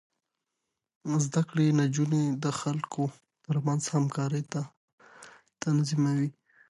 زده کړې نجونې د خلکو ترمنځ همکاري تنظيموي.